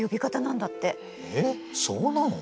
えっそうなの！？